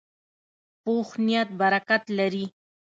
پوخ نیت برکت لري